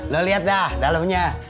lu liat dah dalemnya